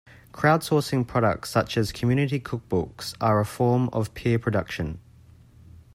Crowdsourcing products such as community cookbooks are a form of peer production.